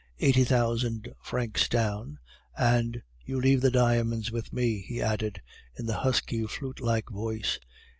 Eighty thousand francs down, and you leave the diamonds with me,' he added, in the husky, flute like voice.